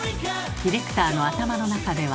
ディレクターの頭の中では。